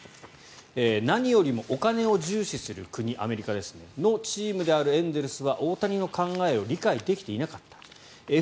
何よりもお金を重視する国アメリカのチームであるエンゼルスは大谷の考えを理解できていなかった。